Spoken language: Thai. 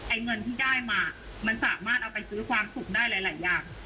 เงินที่ได้มามันสามารถเอาไปซื้อความสุขได้หลายอย่าง